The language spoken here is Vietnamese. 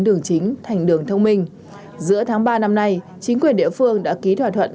đường chính thành đường thông minh giữa tháng ba năm nay chính quyền địa phương đã ký thỏa thuận